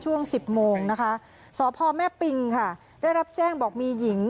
ช่วงสิบโมงนะคะสพแม่ปิงค่ะได้รับแจ้งบอกมีหญิง